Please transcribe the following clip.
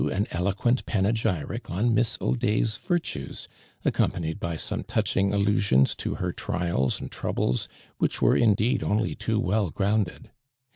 an eloquent panegyric on Miss Audet';; virtues, accompanied by some touching allusions to her trials and troubles wliich were indeed only too well grounded.